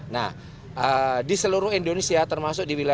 nah di seluruh indonesia termasuk di bukit jawa